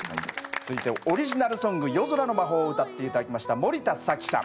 続いてオリジナルソング「夜空の魔法」を歌って頂きました森田早貴さん。